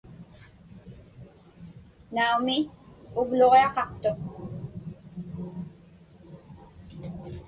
Naumi, uvluġiaqaqtuq.